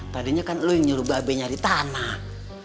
tadinya kan lo yang nyuruh babe nyari tanah